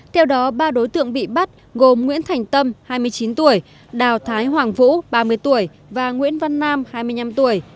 theo đó ba đối tượng bị bắt gồm nguyễn thành tâm hai mươi chín tuổi đào thái hoàng vũ ba mươi tuổi và nguyễn văn nam hai mươi năm tuổi